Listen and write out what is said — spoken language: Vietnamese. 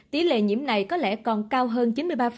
tỷ lệ nhiễm này có lẽ còn cao hơn chín mươi ba